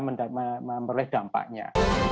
hai memperoleh dampaknya